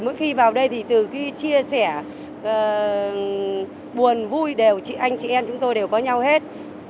mỗi khi vào đây thì từ cái chia sẻ buồn vui đều chị anh chị em chúng tôi đều có nhau hết